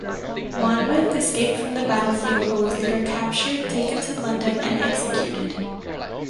Monmouth escaped from the battlefield but was later captured, taken to London and executed.